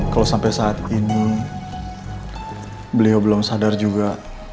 kalo sampe saat ini beliau belum sadar juga